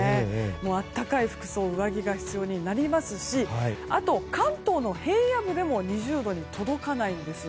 暖かい服装上着が必要になりますしあと、関東の平野部でも２０度に届かないんです。